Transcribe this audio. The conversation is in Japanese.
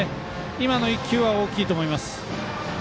今の１球は大きいと思います。